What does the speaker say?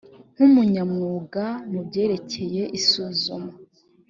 nk umunyamwuga mu byerekeye isuzuma